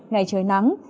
ngày trời nắng